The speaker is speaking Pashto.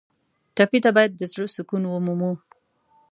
ټپي ته باید د زړه سکون ومومو.